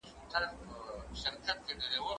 زه کولای سم اوبه پاک کړم!؟